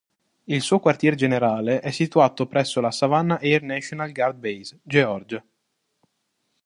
Il suo quartier generale è situato presso la Savannah Air National Guard Base, Georgia.